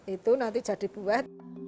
itu nanti jadi buat